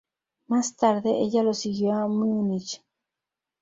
Más tarde, ella lo siguió a Munich.